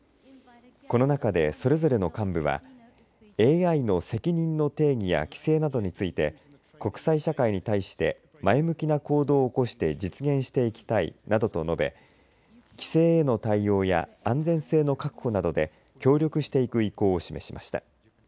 この中でそれぞれの幹部はＡＩの責任の定義や規制などについて国際社会に対して前向きな行動を起こして実現していきたいなどと述べ規制への対応や安全性の確保などで協力していく意向を示しました。